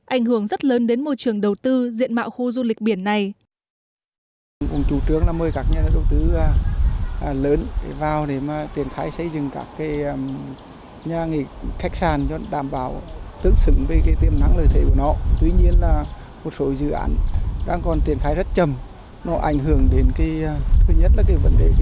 ảnh hưởng rất lớn đến môi trường đầu tư diện mạo khu du lịch biển này